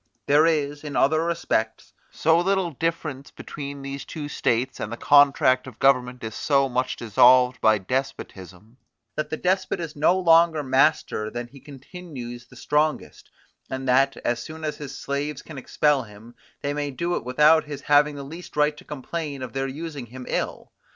There is, in other respects, so little difference between these two states, and the contract of government is so much dissolved by despotism, that the despot is no longer master than he continues the strongest, and that, as soon as his slaves can expel him, they may do it without his having the least right to complain of their using him ill.